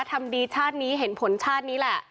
ทำดีชาตินี้เห็นผลชาตินี้แหละ